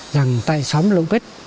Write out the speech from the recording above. rằng tại xóm lộng bích